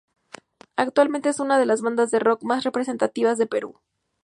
Actualmente es una de las bandas de rock más representativas de Perú.